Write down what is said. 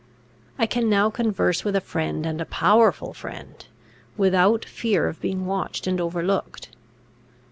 I can now converse with a friend, and a powerful friend, without fear of being watched and overlooked."